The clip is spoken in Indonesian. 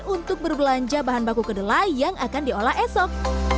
untuk berbelanja bahan baku kedelai yang akan diolah esok